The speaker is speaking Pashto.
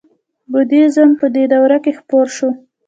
بودیزم په دې دوره کې خپور شو